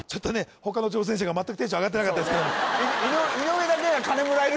他の挑戦者が全くテンション上がってなかったですけども井上だけが金もらえる